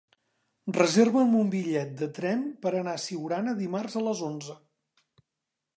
Reserva'm un bitllet de tren per anar a Siurana dimarts a les onze.